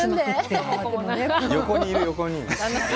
横にいる、横に。